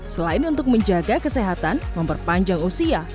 selain untuk menjaga kesehatan memperpanjang usia